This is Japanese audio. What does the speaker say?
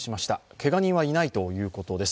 けが人はいないということです。